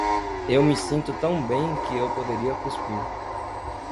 Eu me sinto tão bem que eu poderia cuspir.